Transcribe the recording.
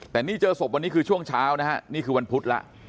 แต่นี่เจอศพวันนี้คือช่วงเช้านะฮะนี่คือวันพุธแล้ว